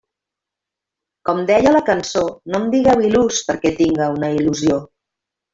Com deia la cançó, no em digueu il·lús perquè tinga una il·lusió.